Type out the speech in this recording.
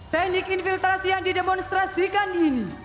teknik infiltrasi yang didemonstrasikan ini